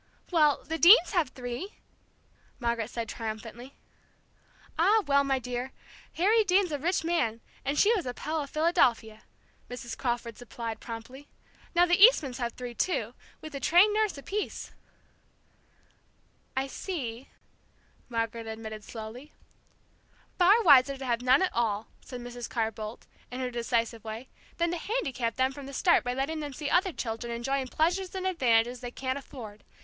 "Well, the Deanes have three!" Margaret said triumphantly. "Ah, well, my dear! Harry Deane's a rich man, and she was a Pell of Philadelphia," Mrs. Crawford supplied promptly. "Now the Eastmans have three, too, with a trained nurse apiece." "I see," Margaret admitted slowly. "Far wiser to have none at all," said Mrs. Carr Boldt, in her decisive way, "than to handicap them from the start by letting them see other children enjoying pleasures and advantages they can't afford.